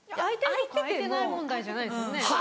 空いてない問題じゃないですよね。